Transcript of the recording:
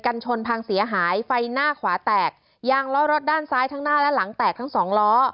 ชนพังเสียหายไฟหน้าขวาแตกยางล้อรถด้านซ้ายทั้งหน้าและหลังแตกทั้งสองล้อ